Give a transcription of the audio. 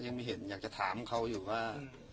ยังไม่เห็นอยากจะถามเขาอยู่ว่า